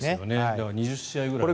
だから２０試合ぐらい多い。